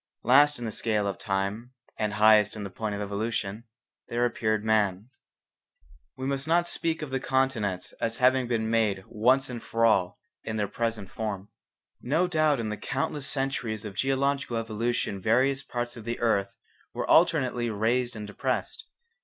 Last in the scale of time and highest in point of evolution, there appeared man. We must not speak of the continents as having been made once and for all in their present form. No doubt in the countless centuries of geological evolution various parts of the earth were alternately raised and depressed.